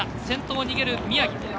先頭、逃げる宮城。